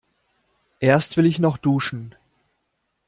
Erst will ich noch duschen.